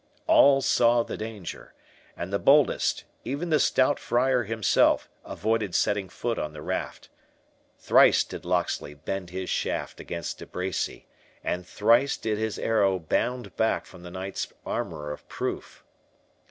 All saw the danger, and the boldest, even the stout Friar himself, avoided setting foot on the raft. Thrice did Locksley bend his shaft against De Bracy, and thrice did his arrow bound back from the knight's armour of proof.